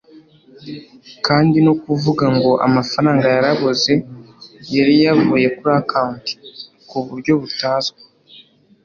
kandi no kuvuga ngo amafaranga yarabuze yari yavuye kuri account kuburyo butazwi